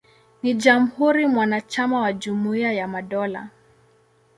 Ni jamhuri mwanachama wa Jumuiya ya Madola.